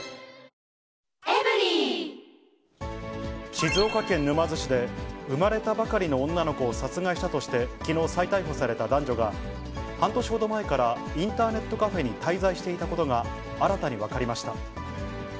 静岡県沼津市で、生まれたばかりの女の子を殺害したとして、きのう再逮捕された男女が、半年ほど前からインターネットカフェに滞在していたことが、新たに分かりました。